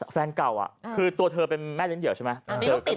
แฟนเก่าคือตัวเธอเป็นแม่เลี้ยเดี่ยวใช่ไหม